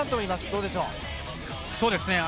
どうでしょう？